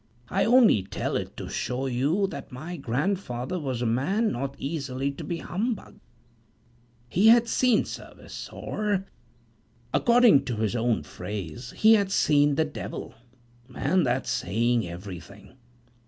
I only tell it to show you that my grandfather was a man not easily to be humbugged. He had seen service; or, according to his own phrase, "he had seen the devil" and that's saying everything.